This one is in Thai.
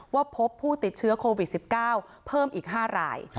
ว่าพบผู้ติดเชื้อโควิด๑๙เพิ่มอีก๕ราย